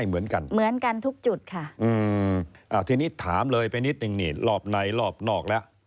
อืมทีนี้ถามเลยไปนิดนึงรอบไหนรอบนอกแล้ว